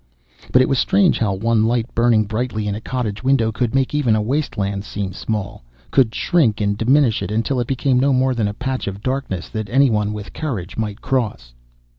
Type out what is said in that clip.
But it was strange how one light burning brightly in a cottage window could make even a wasteland seem small, could shrink and diminish it until it became no more than a patch of darkness that anyone with courage might cross.